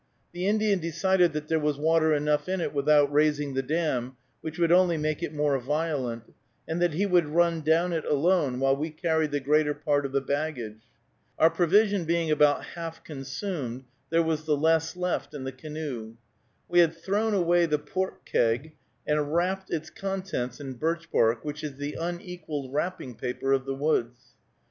The Indian decided that there was water enough in it without raising the dam, which would only make it more violent, and that he would run down it alone, while we carried the greater part of the baggage. Our provision being about half consumed, there was the less left in the canoe. We had thrown away the pork keg, and wrapt its contents in birch bark, which is the unequaled wrapping paper of the woods.